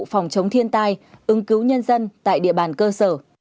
phòng chống thiên tai ứng cứu nhân dân tại địa bàn cơ sở